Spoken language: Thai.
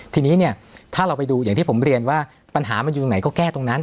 ทีนี้เนี่ยถ้าเราไปดูอย่างที่ผมเรียนว่าปัญหามันอยู่ตรงไหนก็แก้ตรงนั้น